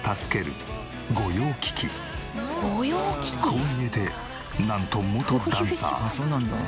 こう見えてなんと元ダンサー。